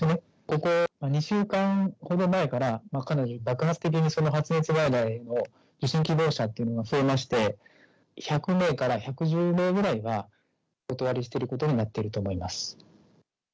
ここ２週間ほど前から、かなり爆発的にその発熱外来の受診希望者というのが増えまして、１００名から１１０名ぐらいは、お断りしてることになってると思います。